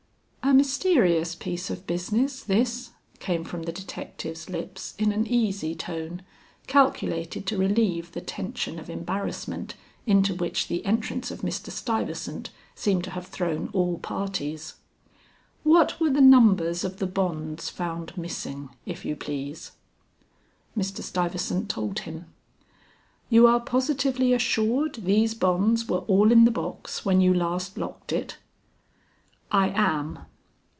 "A mysterious piece of business, this," came from the detective's lips in an easy tone, calculated to relieve the tension of embarrassment into which the entrance of Mr. Stuyvesant seemed to have thrown all parties. "What were the numbers of the bonds found missing, if you please?" Mr. Stuyvesant told him. "You are positively assured these bonds were all in the box when you last locked it?" "I am."